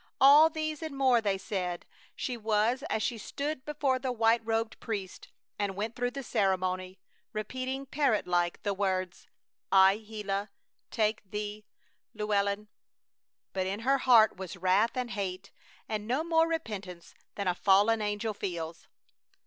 All these and more they said she was as she stood before the white robed priest and went through the ceremony, repeating, parrot like, the words: "I, Gila, take thee, Llewellyn " But in her heart was wrath and hate, and no more repentance than a fallen angel feels.